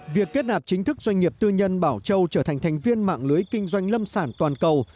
việc kết nạp chính thức doanh nghiệp tư nhân bảo châu trở thành thành viên mạng lưới kinh doanh lâm sản toàn cầu